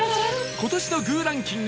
今年の ｇｏｏ ランキング